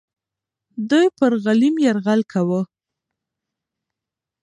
دوی پر غلیم یرغل کاوه.